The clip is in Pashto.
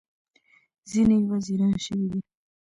ځینې یې وزیران شوي دي.